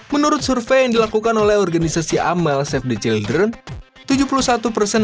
menurut survei yang dilakukan oleh organisasi amal safe the children